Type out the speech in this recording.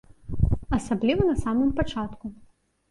Асабліва на самым пачатку.